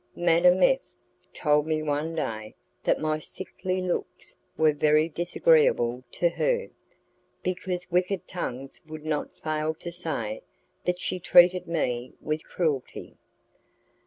Madame F told me one day that my sickly looks were very disagreeable to her, because wicked tongues would not fail to say that she treated me with cruelty.